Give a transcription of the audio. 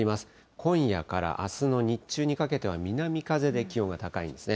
今夜からあすの日中にかけては南風で気温が高いんですね。